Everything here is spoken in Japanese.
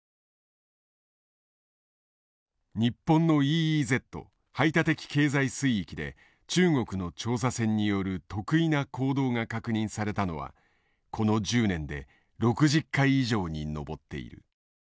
日本のＥＥＺ排他的経済水域で中国の調査船による特異な行動が確認されたのはこの１０年で６０回以上に上っている。